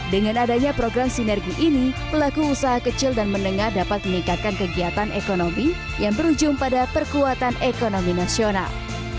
dengan adanya program sinergi ini pelaku usaha kecil dan menengah dapat meningkatkan kegiatan ekonomi yang berujung pada perkuatan ekonomi nasional